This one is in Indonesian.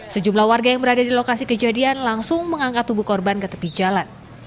sejumlah warga yang berada di lokasi kejadian langsung mengangkat tubuh korban ke tepi jalan